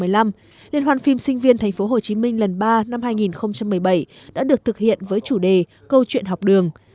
liên hoan phim sinh viên thành phố hồ chí minh lần ba năm hai nghìn một mươi bảy đã được thực hiện với chủ đề câu chuyện học đường